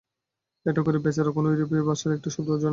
এই গরীব বেচারারা কোন ইউরোপীয় ভাষার একটি শব্দও জানিত না।